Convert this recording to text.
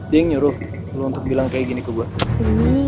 dia nyuruh lu untuk bilang kayak gini ke gue